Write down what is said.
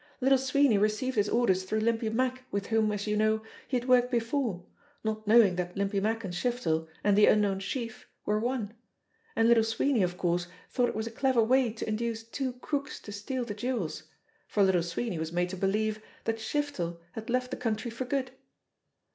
Little Sweeney received his orders through Limpy Mack with whom, as you know, he had worked before, not knowing that Limpy Mack and Shiftel and the unknown 'Chief were one; and Little Sweeney of course thought it was a clever way to induce two crooks to steal the jewels, for Little Sweeney was made to believe that Shiftel had left the country for good.